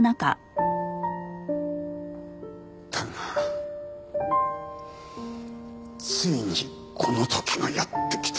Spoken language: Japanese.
だがついにこの時がやって来た。